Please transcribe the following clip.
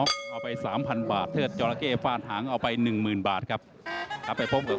ครับไปพบกับคุณกราชันชัยและคุณอธิวัตรครับ